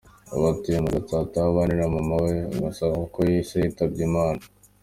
Ubu atuye mu Gatsata aho abana na mama we gusa kuko se yitabye Imana.